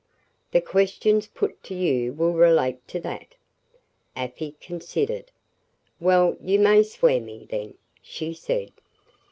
The questions put to you will relate to that." Afy considered. "Well, you may swear me, then," she said.